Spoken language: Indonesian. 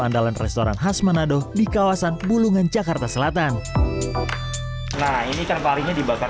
andalan restoran khas manado di kawasan bulungan jakarta selatan nah ini ikan parinya dibakar